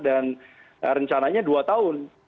dan rencananya dua tahun